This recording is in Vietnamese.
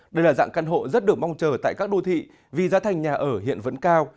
đây là dạng căn hộ rất được mong chờ tại các đô thị vì giá thành nhà ở hiện vẫn cao